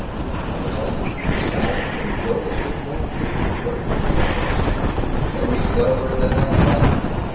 "Not at all. He's silent, and as dull as lukewarm tea, but perfectly inoffensive." "Then he's cleverer than I thought!